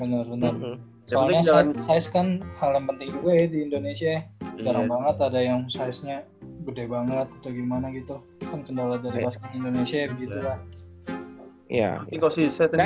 bener bener soalnya size kan hal yang penting juga ya di indonesia ya jarang banget ada yang size nya gede banget atau gimana gitu kan kendala dari masyarakat indonesia gitu lah